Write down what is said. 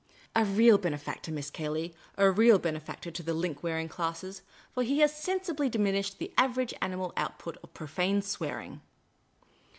" A real bene factor. Miss Cayley ; a real benefactor to the link wearing classes ; for he has sensibly diminished the average anmial output of profane swearing."